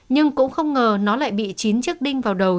nhưng cũng không ngờ nó lại bị chín chiếc đinh vào đầu